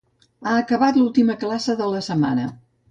Ha acabat l'última classe de la setmana.